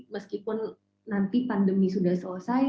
meskipun nanti pandemi sudah selesai